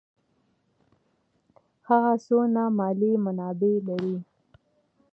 هغه څونه مالي منابع لري.